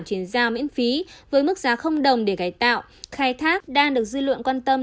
chuyển giao miễn phí với mức giá đồng để cải tạo khai thác đang được dư luận quan tâm